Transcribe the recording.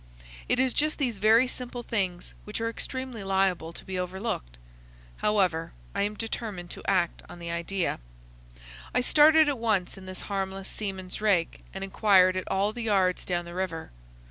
"It is just these very simple things which are extremely liable to be overlooked. However, I determined to act on the idea. I started at once in this harmless seaman's rig and inquired at all the yards down the river.